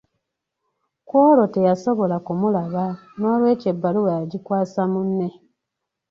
Kwolwo teyasobola kumulaba n’olwekyo ebbaluwa yagikwasa munne.